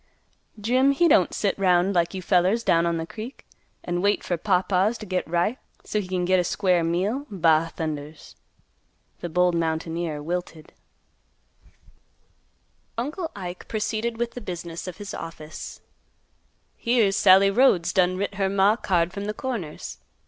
Jim he don't sit 'round like you fellers down on th' creek an' wait fer pawpaws to git ripe, so he can git a square meal, ba thundas!" The bold mountaineer wilted. Uncle Ike proceeded with the business of his office. "Here's Sallie Rhodes done writ her maw a card from th' Corners.